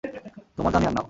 তোমার যা নেয়ার নাও।